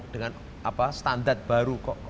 dengan apa standar baru